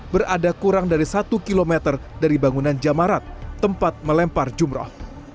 berada kurang dari satu km dari bangunan jamarat tempat melempar jumroh